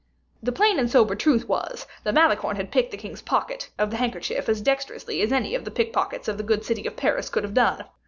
The plain and sober truth was, that Malicorne had picked the king's pocket of the handkerchief as dexterously as any of the pickpockets of the good city of Paris could have done.